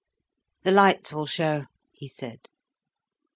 "The lights will show," he said.